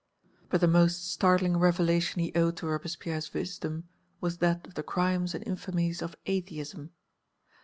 But the most startling revelation he owed to Robespierre's wisdom was that of the crimes and infamies of atheism.